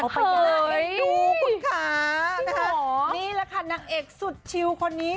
ไปดูคุณค่ะนี่แหละค่ะนางเอกสุดชิวคนนี้